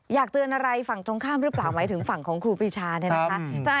อยากเตือนอะไรฝั่งตรงข้ามหรือเปล่าหมายถึงฝั่งของครูปีชาเนี่ยนะคะ